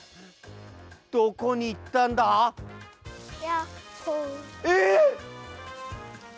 どこにいったんだ？え！